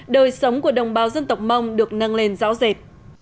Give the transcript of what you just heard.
đời sống của đồng bào dân tộc mông được nâng lên rõ rệt